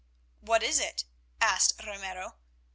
"What is it?" asked Ramiro.